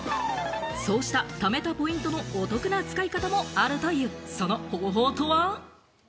そうした貯めたポイントのお得な使い方もあるという、その方法とは？